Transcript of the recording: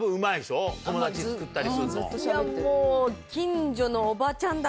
いやもう。